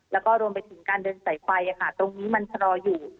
แล้วก็รวมไปถึงการเดินสายไฟตรงนี้มันชะลออยู่